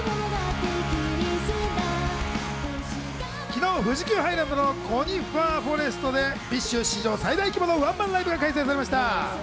昨日、富士急ハイランドのコニファーフォレストでＢｉＳＨ史上最大規模のワンマンライブが開催されました。